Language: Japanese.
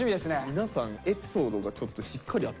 皆さんエピソードがちょっとしっかりあってビックリするね。